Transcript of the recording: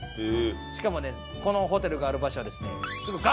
しかもねこのホテルがある場所はですねすぐ崖！